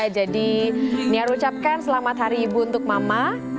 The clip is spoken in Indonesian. jadi niat ucapkan selamat hari ibu untuk mama